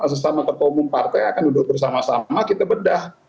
sesama ketua umum partai akan duduk bersama sama kita bedah